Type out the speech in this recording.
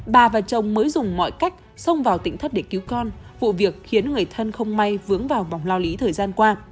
bà và chồng mới dùng mọi cách xông vào tỉnh thất để cứu con vụ việc khiến người thân không may vướng vào vòng lao lý thời gian qua